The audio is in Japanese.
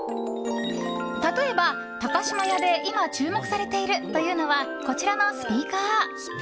例えば、高島屋で今注目されているというのはこちらのスピーカー。